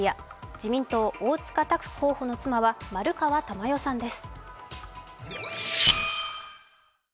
自民党・大塚拓候補の妻は丸川珠代さんです。